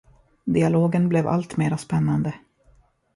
Dialogen blev alltmera spännande.